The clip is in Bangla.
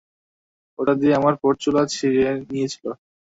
ওটা দিয়ে আমার পরচুলা ছিঁড়ে নিয়েছিল।